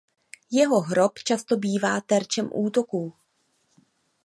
Jeho hrob často bývá terčem útoků.